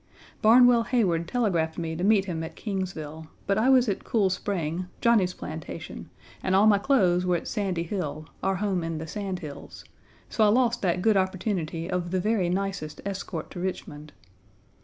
Barnwell Heyward telegraphed me to meet him at Kingsville, but I was at Cool Spring, Johnny's plantation, and all my clothes were at Sandy Hill, our home in the Sand Hills; so I lost that good opportunity of the very nicest escort to Richmond.